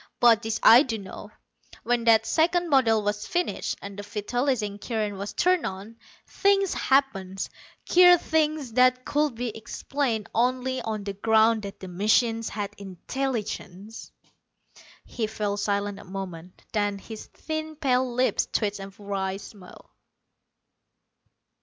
But this I do know: when that second model was finished, and the vitalizing current was turned on, things happened queer things that could be explained only on the ground that the machine had intelligence." He fell silent a moment, then his thin pale lips twisted in a wry smile.